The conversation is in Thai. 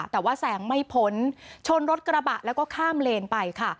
แต่ว่าแสงไม่พ้นชนรถกระบะแล้วก็ข้ามเลนไปค่ะ